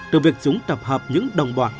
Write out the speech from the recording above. từ việc chúng tập hợp những đồng bọn